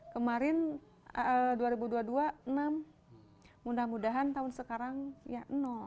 dua ribu dua puluh sembilan dua ribu dua puluh satu tujuh kemarin dua ribu dua puluh dua enam mudah mudahan tahun sekarang ya